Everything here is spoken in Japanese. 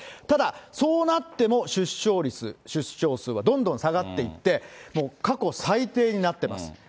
ただ、そうなっても、出生率、出生数はどんどん下がっていって、もう過去最低になってます。